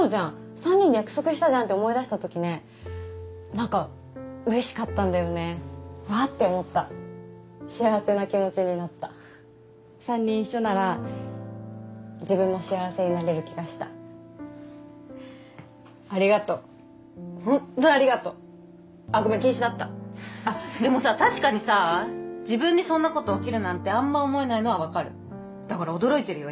３人で約束したじゃんって思い出したときねなんかうれしかったんだよねわーって思った幸せな気持ちになった３人一緒なら自分も幸せになれる気がしたありがとう本当ありがとうあっごめん禁止だったあっでもさ確かにさ自分にそんなこと起きるなんてあんま思えないのはわかるだから驚いてるよ